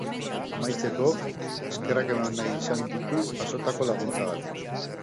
Amaitzeko, eskerrak eman nahi izan ditu jasotako laguntzagatik.